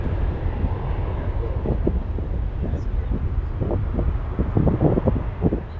Baadhi ya wataalamu hudai kuwa asili ya lugha ya Kiswahili ni huko Kongo ambayo